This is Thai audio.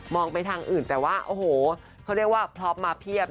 ไปทางอื่นแต่ว่าโอ้โหเขาเรียกว่าพล็อปมาเพียบ